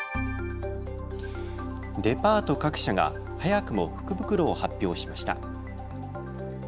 デパート各社が早くも福袋を発表しました。